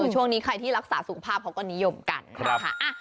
ช่วงนี้ใครที่รักษาสุขภาพเขาก็นิยมกันนะคะ